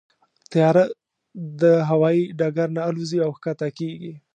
طیاره د هوايي ډګر نه الوزي او کښته کېږي.